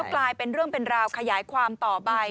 กลายเป็นเรื่องเป็นราวขยายความต่อไป